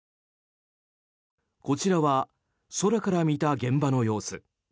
こちらは空から見た現場の様子。